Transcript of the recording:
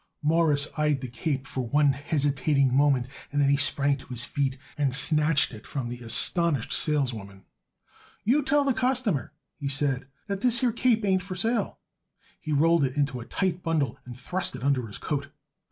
Morris eyed the cape for one hesitating moment, and then he sprang to his feet and snatched it from the astonished saleswoman. "You tell the customer," he said, "that this here cape ain't for sale." He rolled it into a tight bundle and thrust it under his coat.